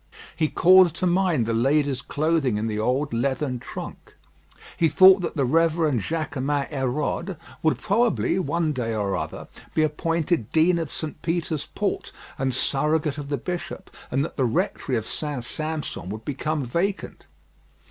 He called to mind the lady's clothing in the old leathern trunk. He thought that the Reverend Jaquemin Hérode would probably one day or other be appointed dean of St. Peter's Port and surrogate of the bishop, and that the rectory of St. Sampson would become vacant.